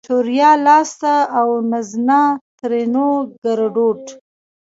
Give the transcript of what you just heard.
چوریا لاسته اونزنا؛ ترينو ګړدود